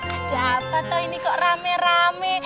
ada apa toh ini kok rame rame